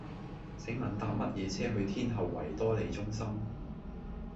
請問搭乜嘢車去天后維多利中心